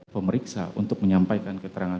pemeriksa untuk menyampaikan keterangan